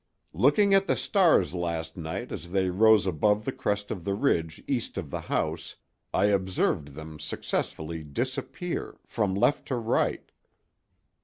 —Looking at the stars last night as they rose above the crest of the ridge east of the house, I observed them successively disappear—from left to right.